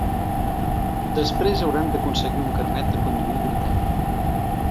Després, hauran d’aconseguir un carnet de conduir britànic.